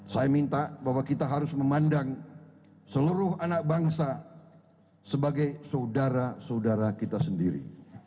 saya minta bahwa kita harus memandang seluruh anak bangsa sebagai saudara saudara kita sendiri